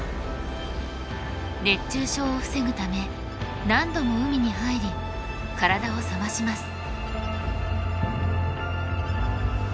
熱中症を防ぐため何度も海に入り体を冷まします。